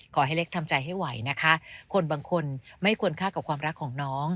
ขอให้เล็กทำใจให้ไหวนะคะคนบางคนไม่ควรฆ่ากับความรักของน้อง